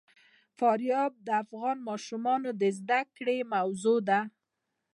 فاریاب د افغان ماشومانو د زده کړې موضوع ده.